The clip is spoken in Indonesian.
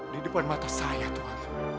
di depan mata saya tuhan